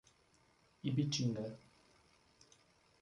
Ibitinga